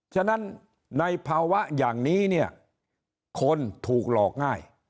ฉะนั้นในภาวะอย่างนี้เนี่ยคนถูกหลอกง่าย